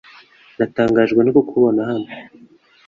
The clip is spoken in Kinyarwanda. Natangajwe no kukubona hano .